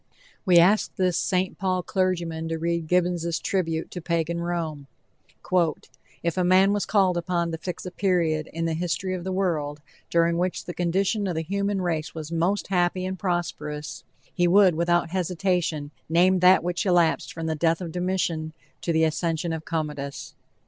We ask this St. Paul clergyman to read Gibbons' tribute to Pagan Rome: "If a man was called upon to fix a period in the history of the world during which the condition of the human race was most happy and prosperous, he would without hesitation name that which elapsed from the death of Domitian to the accession of Commodus."